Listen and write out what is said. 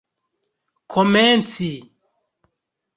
komenci